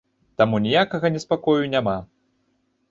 Таму ніякага неспакою няма.